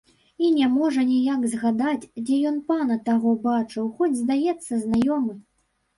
І не можа ніяк згадаць, дзе ён пана таго бачыў, хоць, здаецца, знаёмы.